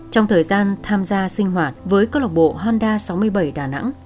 trong thời gian tham gia sinh hoạt với cơ lộc bộ honda sáu mươi bảy đà nẵng